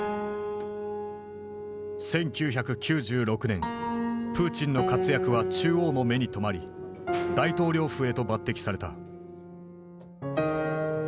１９９６年プーチンの活躍は中央の目に留まり大統領府へと抜擢された。